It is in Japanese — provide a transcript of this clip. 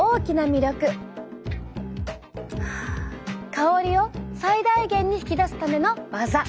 香りを最大限に引き出すためのワザ！